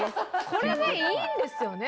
これでいいんですよね